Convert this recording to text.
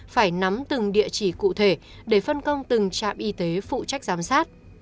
phải nắm từng địa chỉ cụ thể để phân công từng trạm y tế phụ trách giám sát